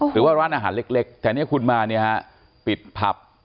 หรือว่าร้านอาหารเล็กแต่คุณมาปิดผับ